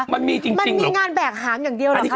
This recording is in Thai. มันมีจริงมันมีงานแบกหางอย่างเดียวเหรอคะ